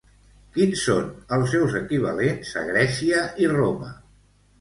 Quins són els seus equivalents a Grècia i Roma?